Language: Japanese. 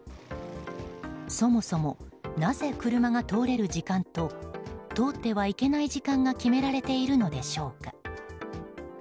そもそも、なぜ車が通れる時間と通ってはいけない時間が決められているのでしょうか。